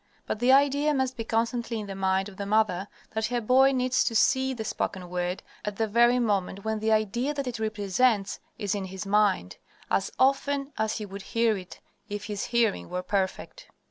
But the idea must be constantly in the mind of the mother that her boy needs to see the spoken word at the very moment when the idea that it represents is in his mind, AS OFTEN as he would hear it if his hearing were perfect.